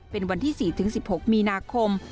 เป็นวันที่๔๑๖มีนาคม